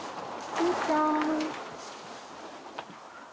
みーちゃん。